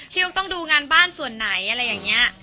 ต้องดูงานบ้านส่วนไหนอะไรอย่างนี้